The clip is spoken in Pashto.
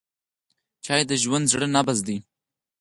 چای د ژوندي زړه نبض دی.